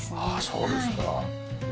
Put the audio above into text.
そうですか。